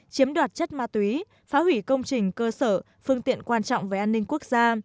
chiếm đoạt chất ma túy phá hủy công trình cơ sở phương tiện quan trọng về an ninh quốc gia